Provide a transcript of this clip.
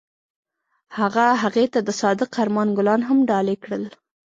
هغه هغې ته د صادق آرمان ګلان ډالۍ هم کړل.